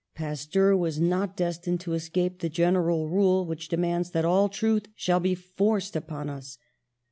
Pas teur was not destined to escape the general rule, which demands that all truth shall be forced upon us.